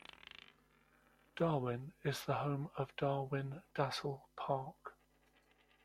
Darwin is the home of Darwin-Dassel Park.